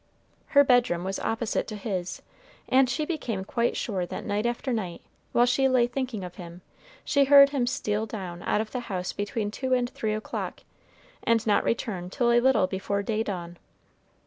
Her bedroom was opposite to his; and she became quite sure that night after night, while she lay thinking of him, she heard him steal down out of the house between two and three o'clock, and not return till a little before day dawn.